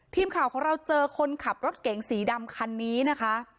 ทีมข่าวของเราเจอคนขับรถเก๋งสีดำคันนี้นะคะ